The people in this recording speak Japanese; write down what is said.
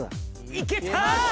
いけた！